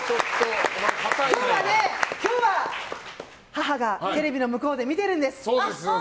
今日は、母がテレビの向こうで見てるんです。